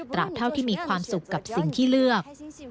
เท่าที่มีความสุขกับสิ่งที่เลือก